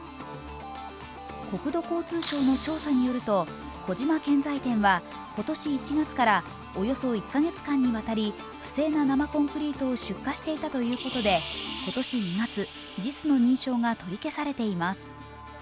国土交通省の調査によると、小島建材店は今年１月からおよそ１カ月間にわたり不正な生コンクリートを出荷していたということで今年２月、ＪＩＳの認証が取り消されています。